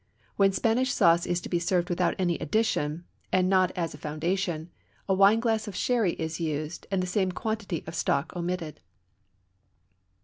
When Spanish sauce is to be served without any addition, and not as a foundation, a wineglass of sherry is used and the same quantity of stock omitted.